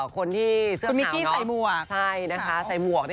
คนที่เสื้อข่าวน้องใช่นะคะใส่หมวกคุณมิกกี้ใส่หมวก